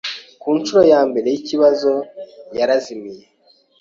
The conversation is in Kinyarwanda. Ku ncuro ya mbere y’ibibazo, yarazimiye.